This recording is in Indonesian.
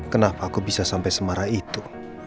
kenapa aku bisa sampai semarah itu